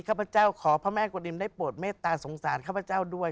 ข้าพเจ้าขอพระแม่กวดินได้โปรดเมตตาสงสารข้าพเจ้าด้วย